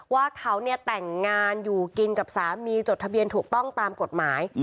ว่าเขาเนี่ยแต่งงานอยู่กินกับสามีจดทะเบียนถูกต้องตามกฎหมาย